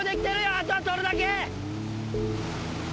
あとは取るだけ！